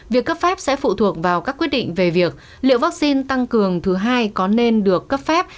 việc cấp phép sẽ phụ thuộc vào các quyết định về việc liệu vaccine tăng cường thứ hai có nên được cấp phép